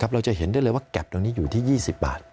เราจะเห็นได้เลยว่าแก๊ปตรงนี้อยู่ที่๒๐บาท